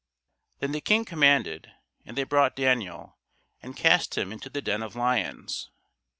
Then the King commanded, and they brought Daniel, and cast him into the den of lions.